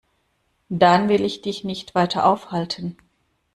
Dann will ich dich nicht weiter aufhalten.